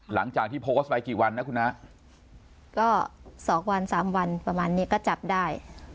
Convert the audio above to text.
หลังจากที่โพสต์ไปกี่วันนะคุณฮะก็สองวันสามวันประมาณนี้ก็จับได้